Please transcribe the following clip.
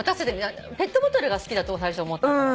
ペットボトルが好きだと最初思ってたから。